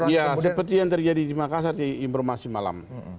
ya seperti yang terjadi di makassar informasi malam